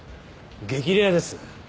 激レアです。